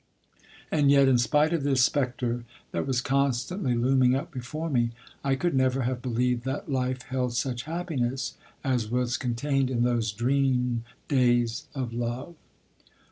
And yet, in spite of this specter that was constantly looming up before me, I could never have believed that life held such happiness as was contained in those dream days of love.